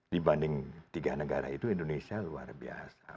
dibanding tiga negara itu indonesia luar biasa